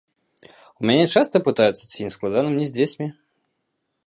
У мяне часта пытаюцца, ці не складана мне з дзецьмі.